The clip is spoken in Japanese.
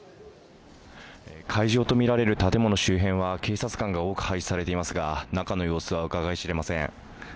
会場と見られる建物周辺は、警察官が多く配置されていますが、中の様子はうかがいしれません。